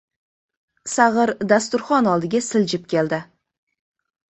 Sag‘ir dasturxon oldiga siljib keldi.